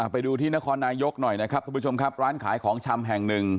ไปดูที่นครนายกหน่อยนะครับทุกผู้ชมครับร้านขายของชำแห่งหนึ่ง